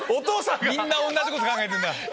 みんな同じこと考えてた。